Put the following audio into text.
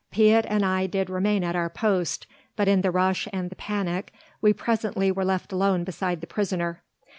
Piet and I did remain at our post, but in the rush and the panic we presently were left alone beside the prisoner.